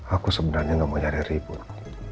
aku sebenarnya gak mau nyari ribut